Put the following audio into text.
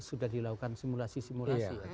sudah dilakukan simulasi simulasi